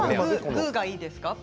パーがいいですか？